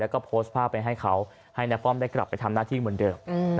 แล้วก็โพสต์ภาพไปให้เขาให้น้าป้อมได้กลับไปทำหน้าที่เหมือนเดิม